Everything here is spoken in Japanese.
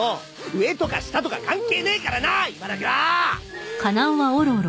上とか下とか関係ねえからな今だけは！